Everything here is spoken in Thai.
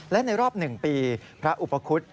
และในรอบหนึ่งปีพระอุปคุฎ